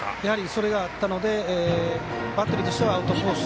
それがあったのでバッテリーとしてはアウトコース